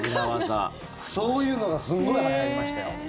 そういうのがすごいはやりましたよ。